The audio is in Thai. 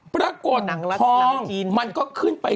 ปรากฏพอมันก็ขึ้นไป